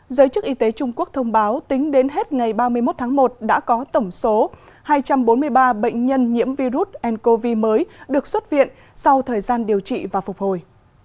giới chức y tế trung quốc thông báo tính đến hết ngày ba mươi một tháng một đã có tổng số hai trăm bốn mươi ba bệnh nhân nhiễm virus ncov mới được xuất viện sau thời gian điều trị và phục hồi